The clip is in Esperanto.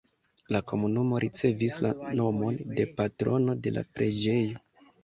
La komunumo ricevis la nomon de patrono de la preĝejo.